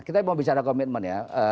kita mau bicara komitmen ya